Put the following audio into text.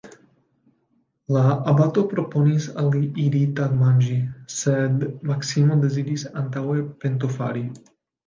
La abato proponis al li iri tagmanĝi, sed Maksimo deziris antaŭe pentofari.